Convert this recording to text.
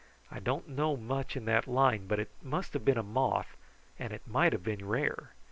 I don't know much in that line, but it must have been a moth, and it might have been rare.